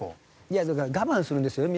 いやだから我慢するんですよね